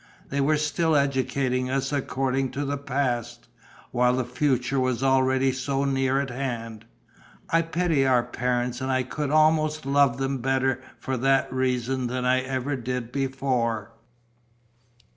They were still educating us according to the past, while the future was already so near at hand. I pity our parents and I could almost love them better for that reason than I ever did before."